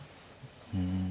うん。